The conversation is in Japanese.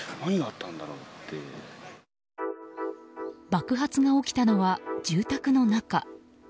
爆発が起きたのは住宅の中。